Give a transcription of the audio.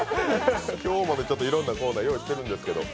今日もいろんなコーナー用意しているんですけども。